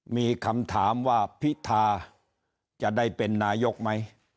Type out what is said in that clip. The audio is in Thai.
มีคำถามว่าพิธาจะได้เป็นนายกไหม